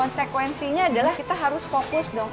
konsekuensinya adalah kita harus fokus dong